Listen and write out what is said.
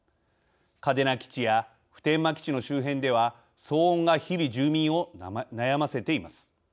嘉手納基地や普天間基地の周辺では騒音が日々住民を悩ませています。